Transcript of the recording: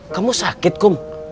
kamu sakit kum